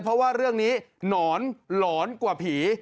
เพราะว่าเรื่องนี้หนอนหลอนกว่าผี